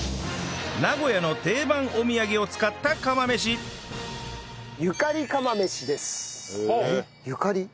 名古屋の定番お土産を使った釜飯えっゆかり？